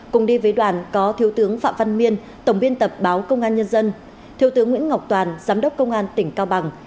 cùng đi với đoàn có thiếu tướng phạm văn miên tổng biên tập báo công an nhân dân thiếu tướng nguyễn ngọc toàn giám đốc công an tỉnh cao bằng